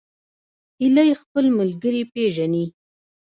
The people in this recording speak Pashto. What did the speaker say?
هیلۍ خپل ملګري پیژني